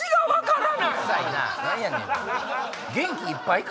元気いっぱいか？